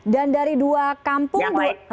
dan dari dua kampung